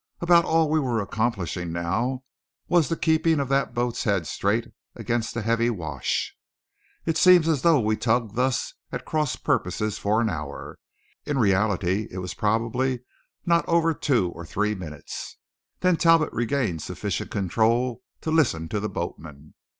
About all we were accomplishing now was the keeping of that boat's head straight against the heavy wash. It seemed as though we tugged thus at cross purposes for an hour. In reality it was probably not over two or three minutes. Then Talbot regained sufficient control to listen to the boatman.